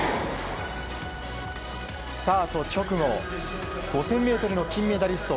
スタート直後５０００ｍの金メダリスト